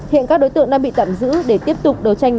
hiện các đối tượng đang bị tẩm giữ